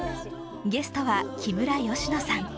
ゲストは木村佳乃さん。